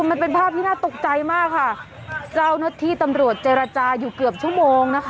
มันเป็นภาพที่น่าตกใจมากค่ะเจ้าหน้าที่ตำรวจเจรจาอยู่เกือบชั่วโมงนะคะ